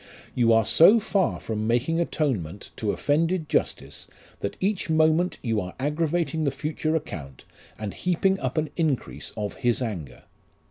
You are so far from making atonement to offended justice, that each moment you are aggravating the future account, and heaping up an increase of His anger.